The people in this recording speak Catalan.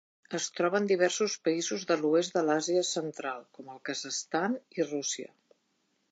Es troba en diversos països de l'oest de l'Àsia Central com el Kazakhstan i Rússia.